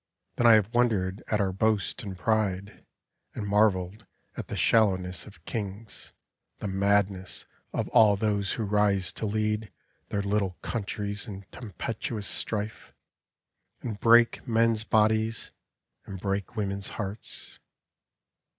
Then I have wondered at our boast and pride. And marveled at the shallowness of kings, The madness of all those who rise to lead Their little countries in tempestuous strife. And break men's bodies, and break women's hearts.